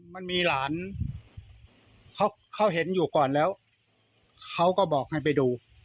มันมีหลานเขาเขาเห็นอยู่ก่อนแล้วเขาก็บอกให้ไปดู